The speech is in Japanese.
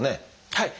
はい。